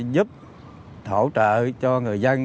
giúp thổ trợ cho người dân